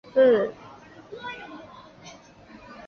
四川轮环藤为防己科轮环藤属下的一个种。